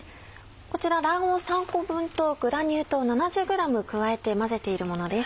こちら卵黄３個分とグラニュー糖７０ｇ加えて混ぜているものです。